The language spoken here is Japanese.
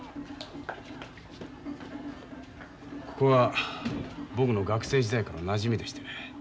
ここは僕の学生時代からのなじみでしてね